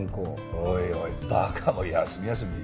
おいおい馬鹿も休み休み言え。